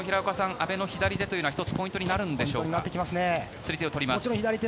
阿部の左手というのが１つポイントになるんでしょうか。